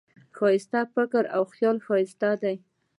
ښایست د فکر او خیال ښایست دی